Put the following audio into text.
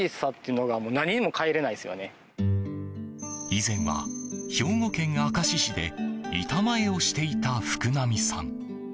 以前は兵庫県明石市で板前をしていた福浪さん。